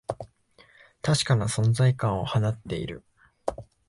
確かな存在感を放っている